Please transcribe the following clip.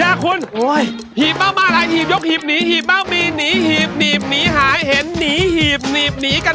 เอาหน่อยเอาหน่อยเอาหน่อยเอาหน่อย